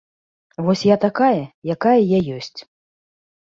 Вось я такая, якая я ёсць.